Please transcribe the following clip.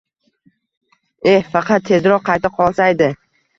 Eh, faqat tezroq qayta qolsaydi